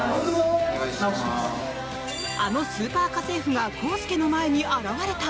あのスーパー家政婦が康介の前に現れた。